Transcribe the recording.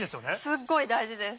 すっごい大事です。